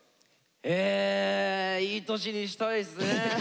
えいい年にしたいですね。